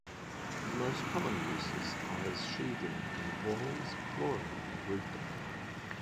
The most common uses are as sheathing in walls, flooring, and roof decking.